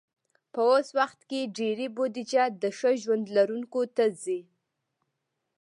په اوس وخت کې ډېری بودیجه د ښه ژوند لرونکو ته ځي.